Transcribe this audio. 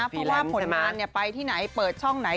เพราะผลมานมายอยากไปที่ไหนเปิดช่องไหน